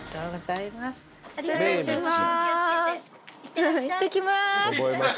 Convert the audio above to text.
いってきます。